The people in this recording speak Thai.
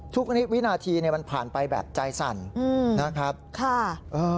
วินาทีเนี่ยมันผ่านไปแบบใจสั่นอืมนะครับค่ะเออ